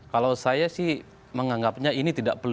kalau saya sih menganggapnya ini tidak perlu